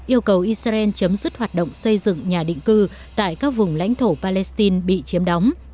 yêu cầu israel chấm dứt hoạt động xây dựng nhà định cư tại các vùng lãnh thổ palestine bị chiếm đóng